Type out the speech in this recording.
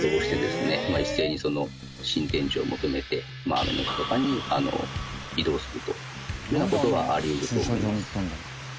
一斉に新天地を求めて雨の日とかに移動するというような事はあり得ると思います。